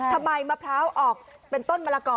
ทำไมมะพร้าวออกเป็นต้นมะละก่อ